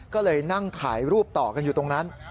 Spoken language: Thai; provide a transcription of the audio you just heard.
ก็เลยนั่งถ่ายรูปต่อกันอยู่ตรงนั้น